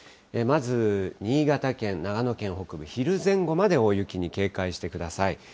まず新潟県、長野県北部、昼前後まで大雪に警戒してください。